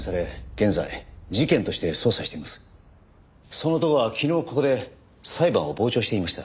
その男は昨日ここで裁判を傍聴していました。